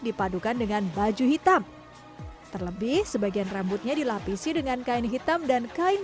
dipadukan dengan baju hitam terlebih sebagian rambutnya dilapisi dengan kain hitam dan kain